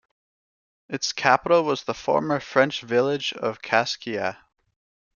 Its capital was the former French village of Kaskakia.